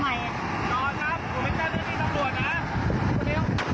ไม่ต้องยิงทำไมจอดครับ